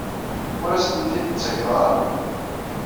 Ur asent-t-id-tettakeḍ ara?